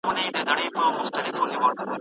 ایا څېړونکی باید د موضوع حدود مراعت کړي؟